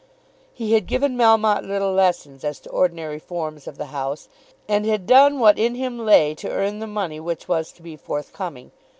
He had given Melmotte little lessons as to ordinary forms of the House, and had done what in him lay to earn the money which was to be forthcoming.